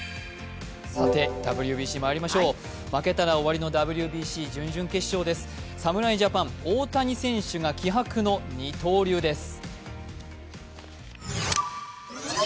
ＷＢＣまいりましょう負けたら終わりのＷＢＣ準々決勝です侍ジャパン、大谷選手が気迫の二刀流です。